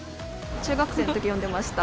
中学生のとき読んでました。